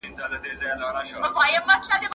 ښځه د کور ملکه ده.